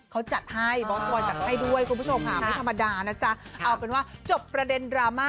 เขาจัดให้บอสบอยจัดให้ด้วยคุณผู้ชม